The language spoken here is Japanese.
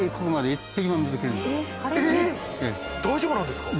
大丈夫なんですか？